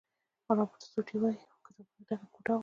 رابرټ سوټي وایي کتابونو ډکه کوټه غواړي.